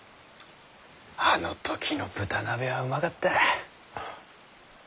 あの時の豚鍋はうまかった。